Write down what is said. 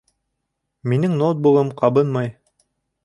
Минең ноутбугым ҡабынмай